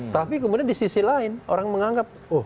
tapi kemudian di sisi lain orang menganggap oh